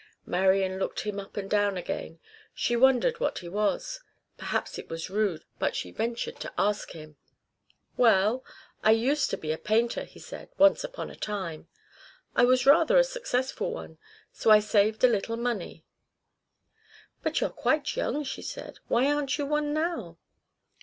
Marian looked him up and down again. She wondered what he was. Perhaps it was rude, but she ventured to ask him. "Well, I used to be a painter," he said, "once upon a time. I was rather a successful one. So I saved a little money." "But you're quite young," she said. "Why aren't you one now?"